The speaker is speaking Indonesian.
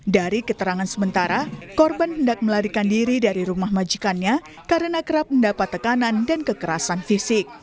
dari keterangan sementara korban hendak melarikan diri dari rumah majikannya karena kerap mendapat tekanan dan kekerasan fisik